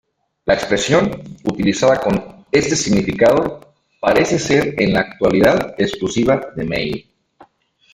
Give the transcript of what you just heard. La expresión, utilizada con este significado, parece ser en la actualidad exclusiva de Maine.